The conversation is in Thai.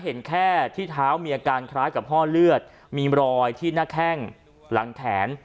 เห็นแค่ที่เท้ามีอาการคล้ายกับห้อเลือดมีรอยที่หน้าแข้งหลังแขน